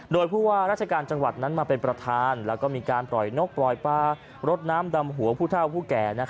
โดยผู้ว่าราชการจังหวัดนั้นมาเป็นประธานแล้วก็มีการปล่อยนกปล่อยปลารดน้ำดำหัวผู้เท่าผู้แก่